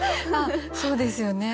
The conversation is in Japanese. そうですよね。